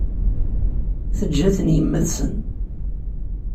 Teǧǧa-ten yemma-tsen.